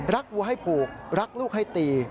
วัวให้ผูกรักลูกให้ตี